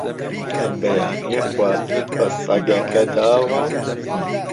ئەم بەیانییە خواردنت بە سەگەکە داوە؟